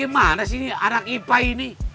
eh gimana sih anak ipah ini